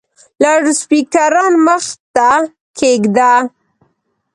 لوډسپیکران مخ ته کښېږده !